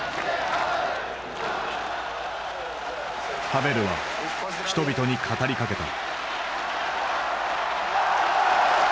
ハヴェルは人々に語りかけた。